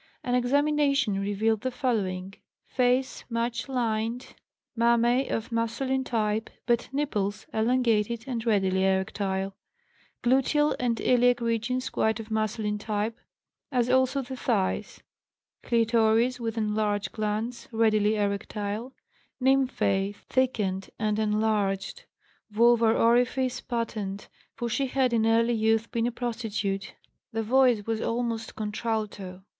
An examination revealed the following: Face much lined, mammæ of masculine type, but nipples elongated and readily erectile; gluteal and iliac regions quite of masculine type, as also the thighs; clitoris, with enlarged glands, readily erectile; nymphæ thickened and enlarged; vulvar orifice patent, for she had in early youth been a prostitute; the voice was almost contralto.